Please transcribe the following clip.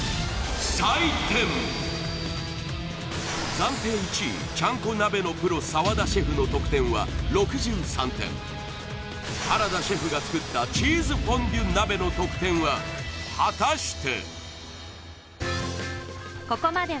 暫定１位ちゃんこ鍋のプロ澤田シェフの得点は６３点原田シェフが作ったチーズフォンデュ鍋の得点は果たして？